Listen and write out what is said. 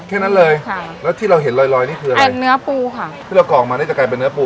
แค่นั้นเลยค่ะแล้วที่เราเห็นลอยลอยนี่คืออะไรเป็นเนื้อปูค่ะที่เรากรอกมานี่จะกลายเป็นเนื้อปู